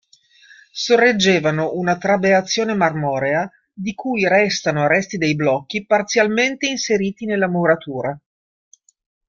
Sorreggevano una trabeazione marmorea, di cui restano resti dei blocchi parzialmente inseriti nella muratura.